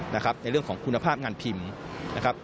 ในเรื่องของคุณภาพงานพิมพ์นะครับ